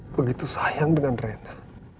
begitu sayang dengan rena